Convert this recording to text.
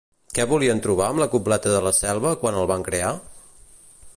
Què volien trobar amb La Cobleta de la Selva quan el van crear?